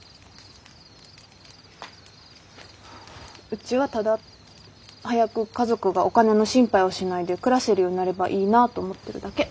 うちはただ早く家族がお金の心配をしないで暮らせるようになればいいなと思ってるだけ。